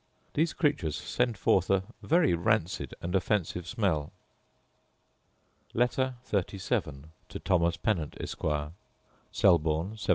These creatures send forth a vary rancid and offensive smell. Letter XXXVII To Thomas Pennant, Esquire Selborne, 1771.